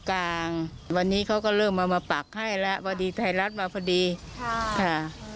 แล้วก็อำนวยความสะดวกสะดวกสบายต้องขึ้นใช่ไหมคะ